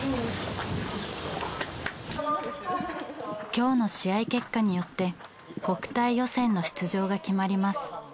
今日の試合結果によって国体予選の出場が決まります。